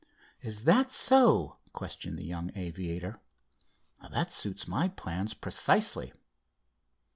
"Is that so?" questioned the young aviator. "That suits my plans precisely."